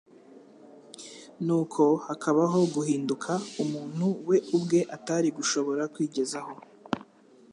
Nuko hakabaho guhinduka umuntu we ubwe atari gushobora kwigezaho.